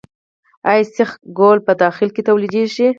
آیا سیخ ګول په داخل کې تولیدیږي؟